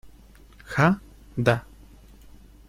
ja? da.